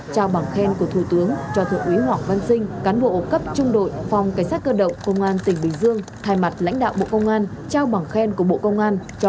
trao bảng khen của thủ tướng cho thượng úy hoàng văn sinh cán bộ ổ cấp trung đội phòng cảnh sát cơ động công an tỉnh bình dương